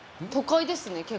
都会ですね